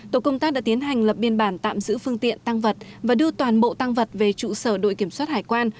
tổ công tác đã tiến hành lập biên bản tạm giữ phương tiện tăng vật và đưa toàn bộ tăng vật về trụ sở đội kiểm soát hải quan